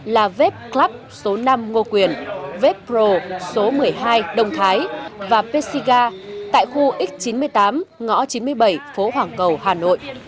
là vep club số năm ngo quyền vep pro số một mươi hai đông thái và pessiga tại khu x chín mươi tám ngõ chín mươi bảy phố hoàng cầu hà nội